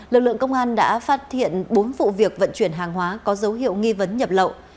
lực lượng công an đã phát hiện bốn vụ việc vận chuyển hàng hóa có dấu hiệu nghi vấn nhập lậu